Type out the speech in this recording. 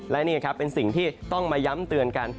และนี่ครับเป็นสิ่งที่ต้องมาย้ำเตือนกัน